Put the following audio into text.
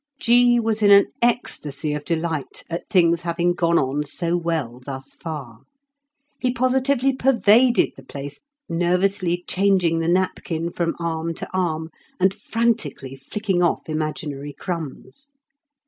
G. was in an ecstasy of delight at things having gone on so well thus far. He positively pervaded the place, nervously changing the napkin from arm to arm, and frantically flicking off imaginary crumbs.